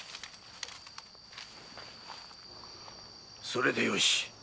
それでよし。